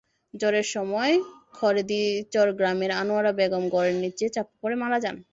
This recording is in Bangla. ঝড়ের সময় খরেদিচর গ্রামের আনোয়ারা বেগম ঘরের নিচে চাপা পড়ে মারা যান।